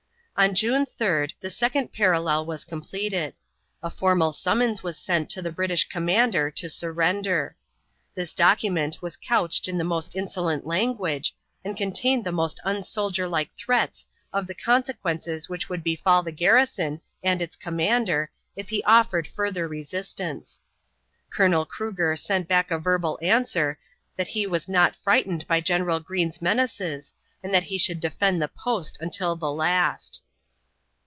On June 3 the second parallel was completed. A formal summons was sent to the British commander to surrender. This document was couched in the most insolent language and contained the most unsoldierlike threats of the consequences which would befall the garrison and its commander if he offered further resistance. Colonel Cruger sent back a verbal answer that he was not frightened by General Greene's menaces and that he should defend the post until the last.